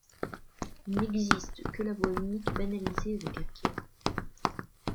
Il n'existe que la voie unique banalisée avec un quai.